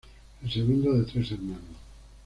El segundo de tres hermanos.